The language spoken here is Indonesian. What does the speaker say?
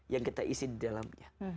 yang kita isi di dalamnya